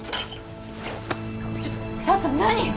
ちょっちょっと何？